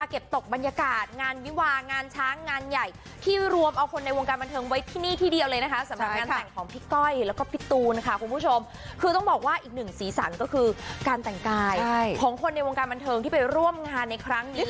เก็บตกบรรยากาศงานวิวางานช้างงานใหญ่ที่รวมเอาคนในวงการบันเทิงไว้ที่นี่ที่เดียวเลยนะคะสำหรับงานแต่งของพี่ก้อยแล้วก็พี่ตูนค่ะคุณผู้ชมคือต้องบอกว่าอีกหนึ่งสีสันก็คือการแต่งกายของคนในวงการบันเทิงที่ไปร่วมงานในครั้งนี้